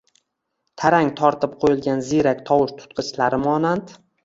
tarang tortib qo‘yilgan ziyrak tovush tutgichlari monand